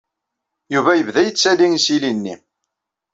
Yuba yebda yettali isili-nni.